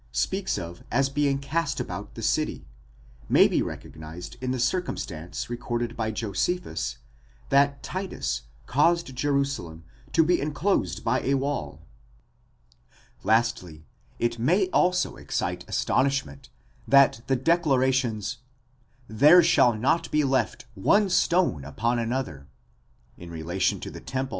speaks of as being cast about the city, may be recognized in the circum stance recorded by Josephus, that Titus caused Jerusalem to be enclosed by a wall ;§ lastly it may also excite astonishment that the declarations, there shall not be left one stone upon another, οὐκ ἀφεθήσεται λίθος ἐπὶ λίθῳ, in relation to 4 Ueber den Ursprung ἃ. 5.